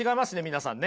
皆さんね。